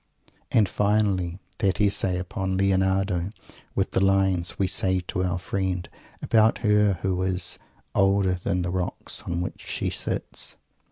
And, finally, that Essay upon Leonardo, with the lines "we say to our friend" about Her who is "older than the rocks on which she sits."